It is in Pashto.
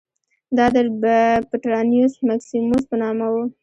دا د پټرانیوس مکسیموس په نامه و